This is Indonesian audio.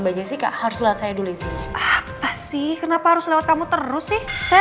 baju sih kak harus lihat saya dulu sih kenapa harus lewat kamu terus sih saya